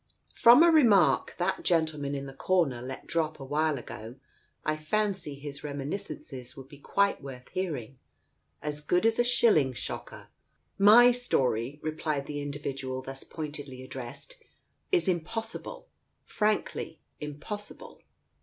From a remark that gentleman in the corner let drop a while ago, I fancy his reminis Digitized by Google 144 TALES OF THE UNEASY cences would be quite worth hearing, as good as a shilling shocker." "My story," replied the individual thus pointedly addressed, "is impossible, frankly impossible."